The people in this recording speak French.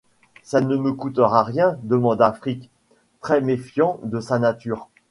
Ça ne me coûtera rien? demanda Frik, très méfiant de sa nature.